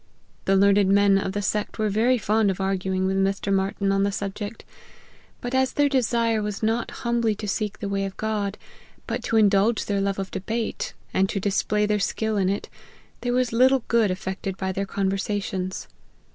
The learned men of the sect were very fond of arguing with Mr. Martyn on the sub ject ; but as their desire was not humbly to seek the way of God, but to indulge their love of debate, and to display their skill in it, there was little good effected by their conversations.